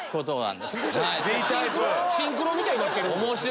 シンクロみたいになってる。